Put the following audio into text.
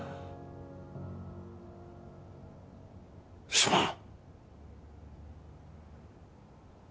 すまん。